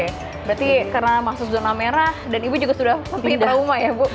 berarti karena masuk zona merah dan ibu juga sudah mempunyai trauma ya bu